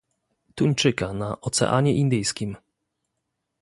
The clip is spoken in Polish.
Tuńczyka na Oceanie Indyjskim